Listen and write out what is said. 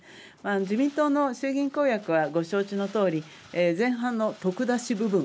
自民党の衆議院公約はご承知のとおり前半の特出し部分。